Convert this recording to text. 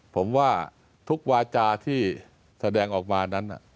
ผมว่าทุกวาจาที่แสดงออกมานั้น